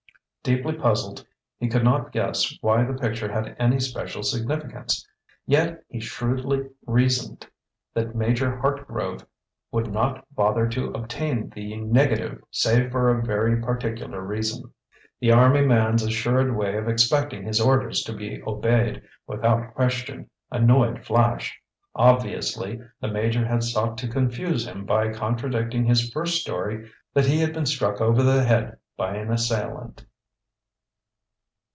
Deeply puzzled, he could not guess why the picture had any special significance. Yet he shrewdly reasoned that Major Hartgrove would not bother to obtain the negative save for a very particular reason. The army man's assured way of expecting his orders to be obeyed without question annoyed Flash. Obviously, the Major had sought to confuse him by contradicting his first story that he had been struck over the head by an assailant.